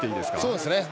そうですね。